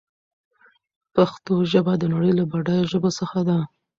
پښتو ژبه د نړۍ له بډايو ژبو څخه ده.